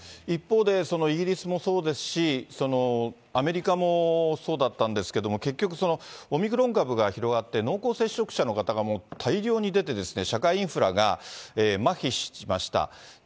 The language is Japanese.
一方で、イギリスもそうですし、アメリカもそうだったんですけども、結局、オミクロン株が広がって、濃厚接触者の方が大量に出てですね、社会インフラがまひしました。